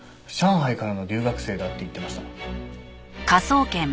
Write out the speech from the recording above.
上海からの留学生だって言ってました。